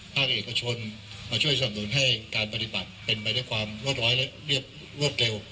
ภาคเอกชนมาช่วยสนับหนุนให้การปฏิบัติเป็นไปด้วยความรวดร้อยและเรียบรวดเร็ว